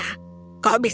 kau bisa melakukannya